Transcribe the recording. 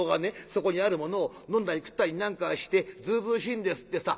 そこにあるものを飲んだり食ったりなんかしてずうずうしいんですってさ。